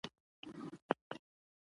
یوه شېبه مي د باڼو پر څوکه وځلوه